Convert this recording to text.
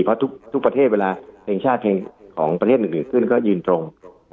เพราะทุกประเทศเวลาเพลงชาติเพลงของประเทศอื่นขึ้นก็ยืนตรง